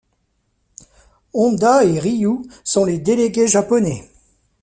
Honda et Ryu sont les délégués japonais.